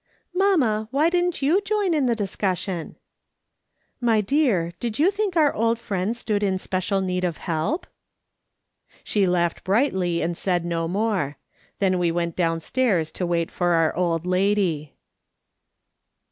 "" Mamma, why didn't you join in the discussion ?"" My dear, did you think our old friend stood in special need of help ?" She laughed brightly and said no more. Then we went downstairs to wait for our old lady.